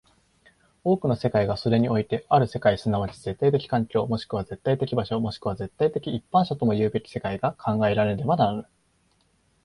多くの世界がそれにおいてある世界即ち絶対的環境、もしくは絶対的場所、もしくは絶対的一般者ともいうべき世界が考えられねばならぬ。